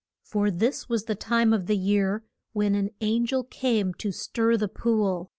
For this was the time of the year when an an gel came to stir the pool.